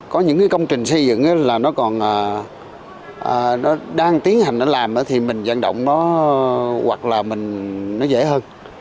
có những công trình xây dựng là nó còn đang tiến hành nó làm thì mình dẫn động nó hoặc là mình nó dễ hơn